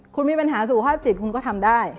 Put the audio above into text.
คุณมีปัญหาสุขภาพจิตคุณก็ทำได้